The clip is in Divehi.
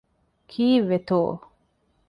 ކީއްވެތޯ؟